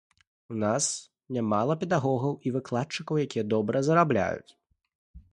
У нас нямала педагогаў і выкладчыкаў, якія добра зарабляюць.